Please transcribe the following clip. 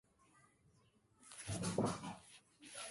Man Kande kal gayge go, ɛgre be hore.